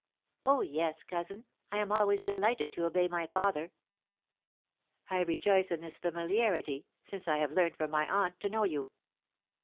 "Oh, yes, cousin, I am always delighted to obey my father." "I rejoice in this familiarity, since I have learnt from my aunt to know you."